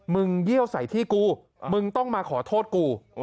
เยี่ยวใส่ที่กูมึงต้องมาขอโทษกู